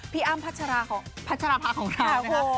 พี่อ้ามพัชราของพัชราภาคของเรานะครับครับค่ะ